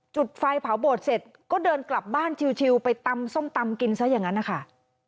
จุดไฟเผาโบสถเสร็จก็เดินกลับบ้านชิวไปตำส้มตำกินซะอย่างนั้นนะคะ